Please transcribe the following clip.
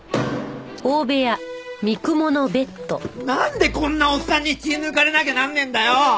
なんでこんなおっさんに血抜かれなきゃなんねえんだよ！